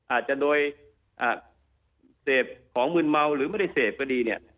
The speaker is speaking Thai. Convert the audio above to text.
อาจจะโดยเสพของมืนเมาหรือไม่ได้เสพก็ดีเนี่ย